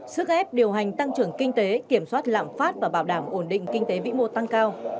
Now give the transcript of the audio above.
sức ép điều hành tăng trưởng kinh tế kiểm soát lạm phát và bảo đảm ổn định kinh tế vĩ mô tăng cao